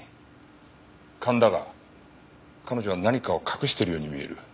勘だが彼女は何かを隠してるように見える。